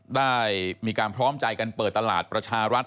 ได้มีการพร้อมใจกันเปิดตลาดประชารัฐ